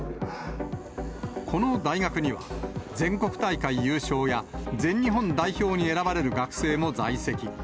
この大学には、全国大会優勝や全日本代表に選ばれる学生も在籍。